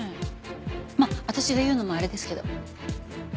まあ私が言うのもあれですけど。